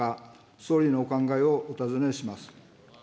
総理のお考えをお尋ねします。